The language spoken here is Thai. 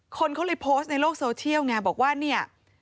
คนเขาเลยโพสต์ในโลกโซเชียลไงบอกว่าเนี่ย